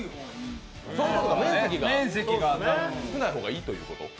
面積が少ない方がいいということ？